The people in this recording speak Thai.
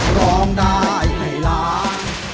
ร้องได้ให้ล้าน